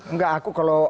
enggak aku kalau